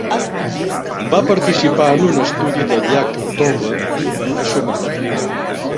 Va participar en un estudi del llac Toba, a Sumatra.